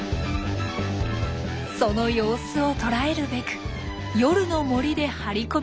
その様子を捉えるべく夜の森で張り込み開始。